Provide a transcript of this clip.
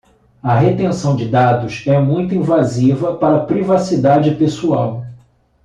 A retenção de dados é muito invasiva para a privacidade pessoal.